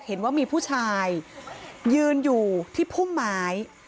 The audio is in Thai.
เห็นว่ามีผู้ชายยืนอยู่ที่พุ่มไม้